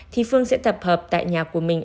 thì phương sẽ tập hợp tại nhà của mình